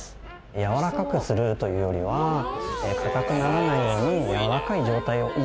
やわらかくするというよりはかたくならないようにやわらかい状態を維持している。